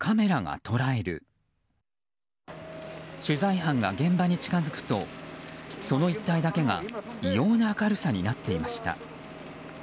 取材班が現場に近づくとその一帯だけが異様な明るさになっていました。